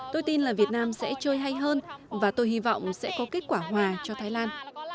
tôi tin là việt nam sẽ chơi hay hơn và tôi hy vọng sẽ có kết quả hòa cho thái lan